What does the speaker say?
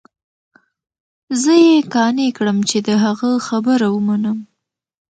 زه يې قانع كړم چې د هغه خبره ومنم.